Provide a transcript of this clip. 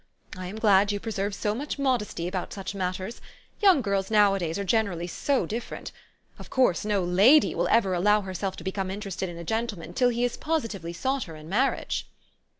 I am glad you preserve so much mod esty about such matters. Young girls now a days are generally so different ! Of course, no lady will ever allow herself to become interested in a gentle man till he has positively sought her in marriage."